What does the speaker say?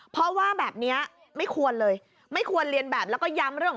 เพราะว่าแบบนี้ไม่ควรเลยไม่ควรเรียนแบบแล้วก็ย้ำเรื่อง